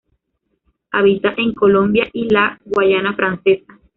Habita en Colombia y la Guayana Francesa.